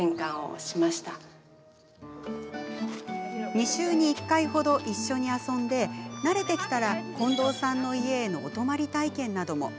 ２週に１回ほど、一緒に遊んで慣れてきたら、近藤さんの家へのお泊まり体験なども。